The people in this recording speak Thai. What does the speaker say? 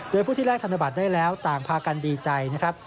โดยผู้ที่แลกธนบัตรได้แล้วต่างพากันดีใจนะครับ